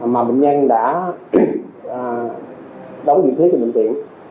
mà bệnh nhân đã đóng nhiệm viết cho bệnh viện